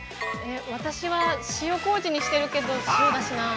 私は塩こうじにしてるけど、塩だしなー。